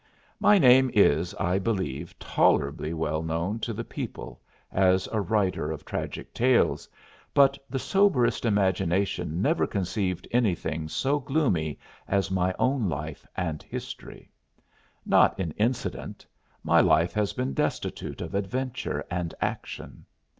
My name is, I believe, tolerably well known to the people as a writer of tragic tales, but the somberest imagination never conceived anything so tragic as my own life and history. Not in incident: my life has been destitute of adventure and action.